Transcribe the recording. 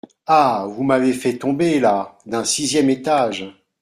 Ah ! vous m’avez fait tomber, là, d’un sixième étage…